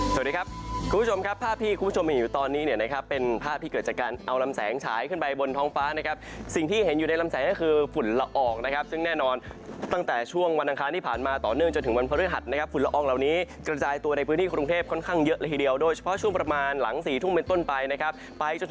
สวัสดีครับคุณผู้ชมครับภาพที่คุณผู้ชมมีอยู่ตอนนี้เนี่ยนะครับเป็นภาพที่เกิดจากการเอารำแสงฉายขึ้นไปบนท้องฟ้านะครับสิ่งที่เห็นอยู่ในรำแสงก็คือฝุ่นละออกนะครับซึ่งแน่นอนตั้งแต่ช่วงวันอังคารที่ผ่านมาต่อเนื่องจนถึงวันภรรยาหัดนะครับฝุ่นละออกเหล่านี้กระจายตัวในพื้นที่กรุงเทพ